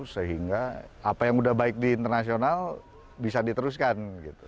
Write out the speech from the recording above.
sehingga apa yang sudah baik di internasional bisa diteruskan gitu